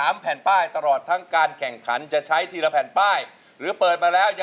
และถึงเวลาพี่เผลอเริ่มพี่ไปเลย